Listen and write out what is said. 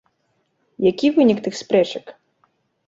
Які вынік тых спрэчак?